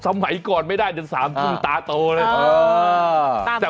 อายุเยอะขึ้นนะ